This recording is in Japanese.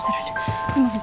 すいません